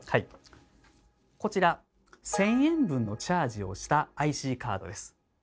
こちら１，０００円分のチャージをしたＩＣカードです。